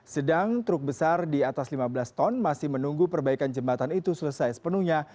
sedang truk besar di atas lima belas ton masih menunggu perbaikan jembatan itu selesai sepenuhnya